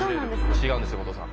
違うんですよ後藤さん。